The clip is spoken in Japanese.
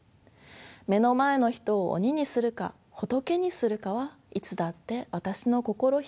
目の前の人を「鬼」にするか「仏」にするかはいつだって私の心一つ。